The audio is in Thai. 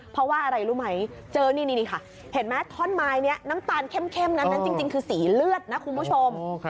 เพราะว่าอะไรรู้ไหมเจอนี่ค่ะเห็นไหมท่อนไม้นี้น้ำตาลเข้มนั้นจริงคือสีเลือดนะคุณผู้ชม